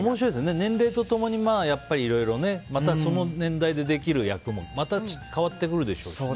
年齢と共に、その年代でできる役もまた変わってくるでしょうし。